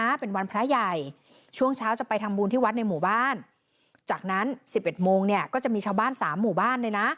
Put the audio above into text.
เป็นวันพระใหญ่ช่วงเช้าจะไปทำบุญที่วัดในหมู่บ้านจากนั้นสิบเอ็ดโมงเนี่ยก็จะมีชาวบ้านสามหมู่บ้านเลยนะ